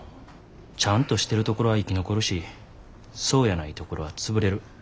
ちゃんとしてるところは生き残るしそうやないところは潰れる。